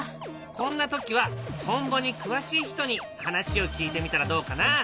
こんな時はトンボに詳しい人に話を聞いてみたらどうかな？